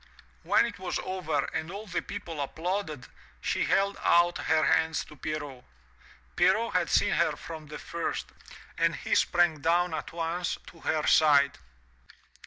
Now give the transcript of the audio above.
When it was over and all the people applauded, she held out her hands to Pierrot. Pierrot had seen her from the first and he sprang down at once to her side.